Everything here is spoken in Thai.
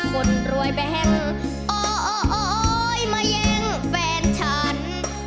คนรวยแบงออยมาแย่งแฟนฉัน